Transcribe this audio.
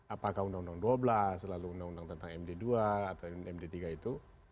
apakah undang undang dua belas lalu undang undang tentang md dua atau md tiga itu